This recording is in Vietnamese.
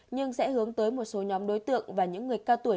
nhưng sẽ hướng tới một số nhóm đối tượng và những người cao tuổi